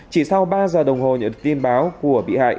chỉ sau ba giờ đồng hồ nhận được tin báo của bị hại